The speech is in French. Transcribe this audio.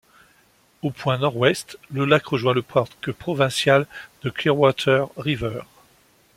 Au point nord-ouest, le lac rejoint le parc provincial de Clearwater River.